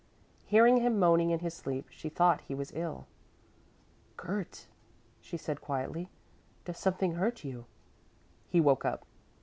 Hearing him moaning in his sleep, she thought he was ill. "Kurt," she said quietly, "does something hurt you?" He woke up.